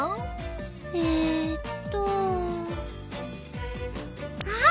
えっとあっ！